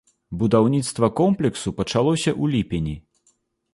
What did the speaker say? Будаўніцтва комплексу пачалося ў ліпені.